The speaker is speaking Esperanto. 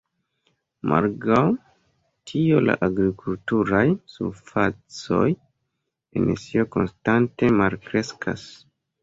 Malgraŭ tio la agrikulturaj surfacoj en Sion konstante malkreskas.